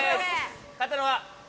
勝ったのは。